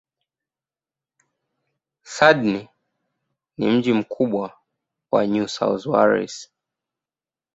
Sydney ni mji mkubwa wa New South Wales.